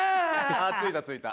あっ着いた着いた。